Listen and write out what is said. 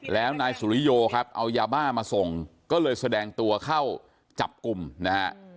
แล้วนายสุริโยครับเอายาบ้ามาส่งก็เลยแสดงตัวเข้าจับกลุ่มนะฮะ